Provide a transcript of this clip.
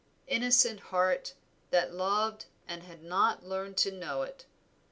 Innocent heart, that loved and had not learned to know it.